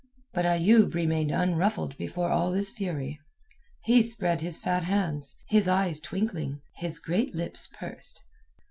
But Ayoub remained unruffled before all this fury. He spread his fat hands, his eyes twinkling, his great lips pursed.